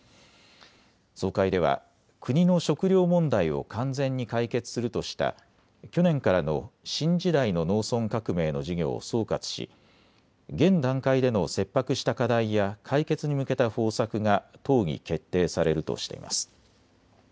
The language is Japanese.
総会では国の食料問題を完全に解決するとした去年からの新時代の農村革命の事業を総括し現段階での切迫した課題や解決に向けた方策が討議・決定されるとしています。